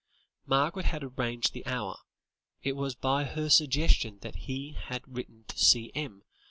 Margaret had arranged the hour; it was by her suggestion that he had written to C.M.